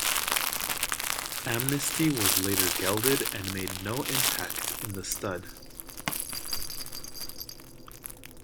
Amnesty was later gelded and made no impact in the stud.